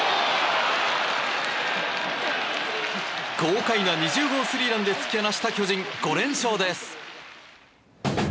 豪快な２０号スリーランで突き放した巨人５連勝です。